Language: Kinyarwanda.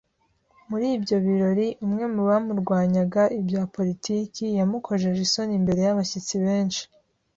Muri ibyo birori, umwe mu bamurwanyaga ibya politiki yamukojeje isoni imbere y’abashyitsi benshi